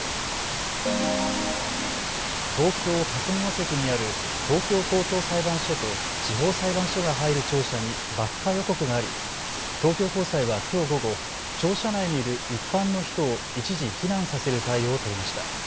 東京霞が関にある東京高等裁判所と地方裁判所が入る庁舎に爆破予告があり、東京高裁はきょう午後、庁舎内にいる一般の人を一時、避難させる対応を取りました。